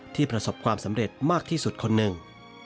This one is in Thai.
ประสบความสำเร็จมากที่สุดคนหนึ่ง